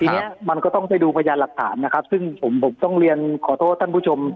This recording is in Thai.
ทีนี้มันก็ต้องไปดูพยานหลักฐานนะครับซึ่งผมผมต้องเรียนขอโทษท่านผู้ชม